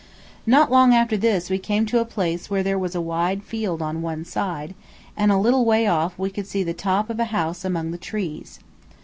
Not long after this we came to a place where there was a wide field on one side, and a little way off we could see the top of a house among the trees.